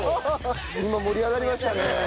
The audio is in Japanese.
今盛り上がりましたね。